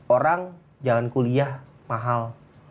orang jalan kuliah mahal